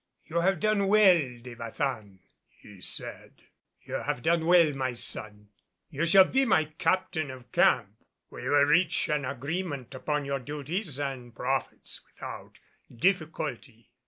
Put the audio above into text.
"You have done well, De Baçan," he said. "You have done well, my son. You shall be my Captain of Camp. We will reach an agreement upon your duties and profits without difficulty.